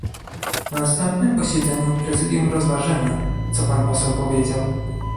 Na następnym posiedzeniu Prezydium rozważymy, co pan poseł powiedział